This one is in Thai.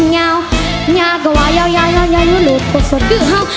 ยาวยากว่ายาวมือหลีกปากสัตย์ก็พร้อม